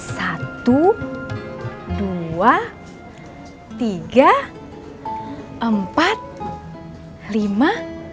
satu dua tiga empat lima